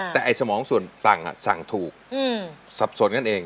แต่ไอ้สมองส่วนสั่งสั่งถูกสับสนกันเอง